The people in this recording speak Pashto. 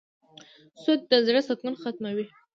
سود د زړه سکون ختموي.